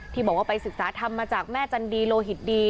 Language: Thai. ที่บอกว่าไปศึกษาธรรมมาจากแม่จันดีโลหิตดี